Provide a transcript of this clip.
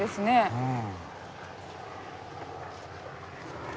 うん。